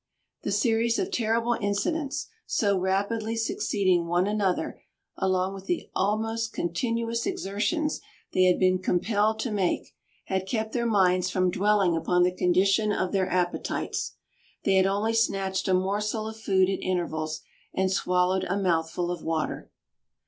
The series of terrible incidents, so rapidly succeeding one another, along with the almost continuous exertions they had been compelled to make, had kept their minds from dwelling upon the condition of their appetites. They had only snatched a morsel of food at intervals, and swallowed a mouthful of water.